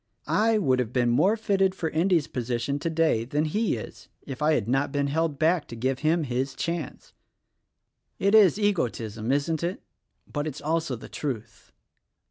I would have been more fitted for Endy's position today than he is if I had not been held back to give him his chance. It is egotism, isn't it — but, it's also the truth.